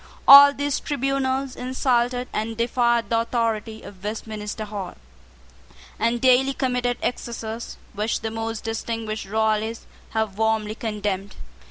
All these tribunals insulted and defied the authority of Westminster Hall, and daily committed excesses which the most distinguished Royalists have warmly condemned.